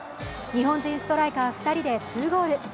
日本人ストライカー２人で２ゴール。